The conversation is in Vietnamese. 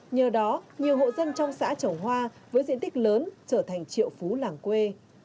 nhờ đó nhiều hộ dân trong xã trồng hoa với diện tích lớn trở thành triệu phú làng quê